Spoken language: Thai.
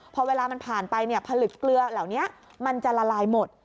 พอเวลามันผ่านไปเนี่ยผลึกเกลือเหล่านี้มันจะละลายหมด